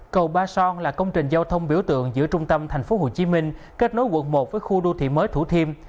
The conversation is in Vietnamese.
cầu ba son là công trình giao thông biểu tượng giữa trung tâm thành phố hồ chí minh kết nối quận một với khu đô thị mới thủ thiêm